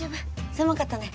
狭かったね。